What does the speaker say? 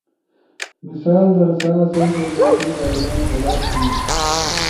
مثال در سا آسئی کمیونٹی گائیڈلائن خلاف تھین